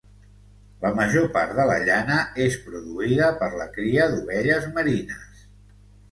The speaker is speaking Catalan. La major part de la llana és produïda per la cria d'ovelles merines.